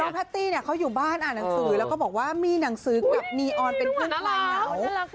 น้องพาตี้เค้าอยู่บ้านอ่านหนังสือแล้วก็บอกว่ามีหนังสือกับนีออนเป็นคุณคลายเหงา